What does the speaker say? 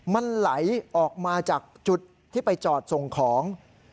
มันไหลออกมาจากจุดที่ไปจอดส่งของ